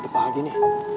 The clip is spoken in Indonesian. ui apakah gini